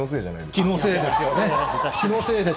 気のせいですよね。